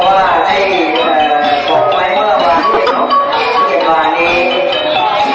คำถามว่าให้พบไว้เมื่อละวันที่๑๐หลังนี้